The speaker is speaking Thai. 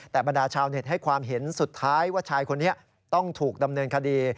แต่บรรดาชาวเน็ตให้ความเห็นสุดท้ายว่าชายคนนี้ต้องถูกดำเนินคดี